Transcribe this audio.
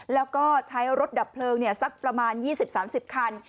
แล้วก็ใช้รถดับเพลิงสักประมาณ๒๐๓๐คัน